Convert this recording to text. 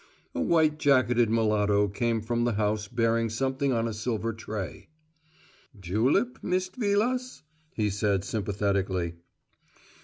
A white jacketed mulatto came from the house bearing something on a silver tray. "Julip, Mist' Vilas?" he said sympathetically.